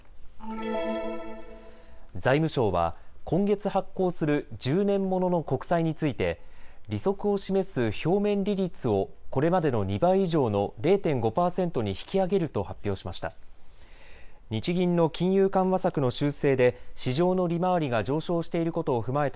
財務省は今月発行する１０年ものの国債について利息を示す表面利率をこれまでの２倍以上の０．５％に引き上げると発表しました。